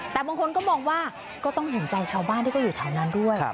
แต่บางคนก็มองว่าก็ต้องเห็นใจชาวบ้านที่เขาอยู่แถวนั้นด้วย